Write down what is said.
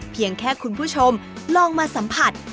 เพียงแค่คุณผู้ชมลองมาสัมผัส